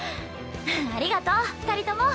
ありがとう２人とも。